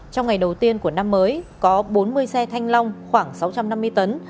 trong ngày đầu tiên của năm mới có bốn mươi xe thanh long khoảng sáu trăm năm mươi tấn